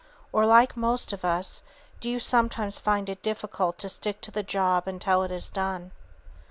Or, like most of us, do you sometimes find it difficult to stick to the job until it is done?